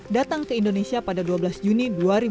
datang ke indonesia pada dua belas juni dua ribu dua puluh